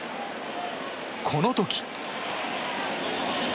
この時。